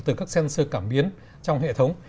từ các sensor cảm biến trong hệ thống